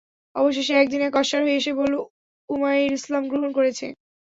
অবশেষে একদিন এক অশ্বারোহী এসে বলল, উমাইর ইসলাম গ্রহণ করেছে।